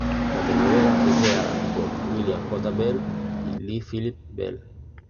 La telenovela fue creada por William J. Bell y Lee Phillip Bell.